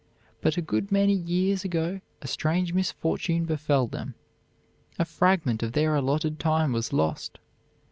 But a good many years ago a strange misfortune befell them. A fragment of their allotted time was lost.